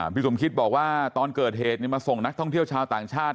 พี่สมคิดบอกว่าตอนเกิดเหตุมาส่งนักท่องเที่ยวชาวต่างชาติ